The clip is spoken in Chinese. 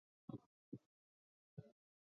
和硕悫靖公主。